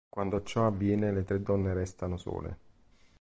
Quando ciò avviene, le tre donne restano sole.